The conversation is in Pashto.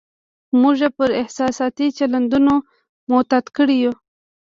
موږ یې پر احساساتي چلندونو معتاد کړي یو.